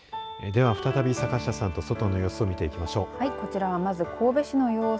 では、再び坂下さんと外の様子を見ていきましょう。